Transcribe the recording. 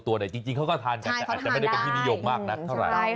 แต่จริงเขาก็ทานกันใช่เขาทานได้แต่อาจจะไม่ได้กลัวพินิโยคมากนะเท่าไรใช่ค่ะ